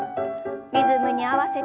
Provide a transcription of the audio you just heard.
リズムに合わせて。